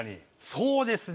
そうですね